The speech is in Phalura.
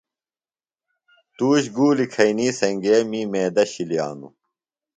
تُوش گُولیۡ کھئینی سنگئے می میدہ شِلیانوۡ۔